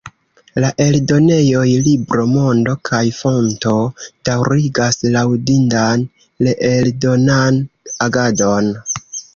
La eldonejoj Libro-Mondo kaj Fonto daŭrigas laŭdindan reeldonan agadon.